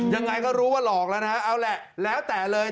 ยังไงก็รู้ว่าหลอกแล้วนะฮะเอาแหละแล้วแต่เลย